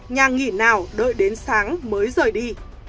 nhà nghỉ nào đợi đến sáng mới rời đi